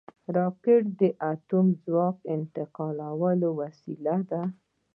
راکټ د اټومي ځواک انتقالولو وسیله ده